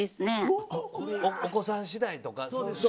お子さん次第とか。